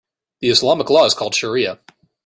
The Islamic law is called shariah.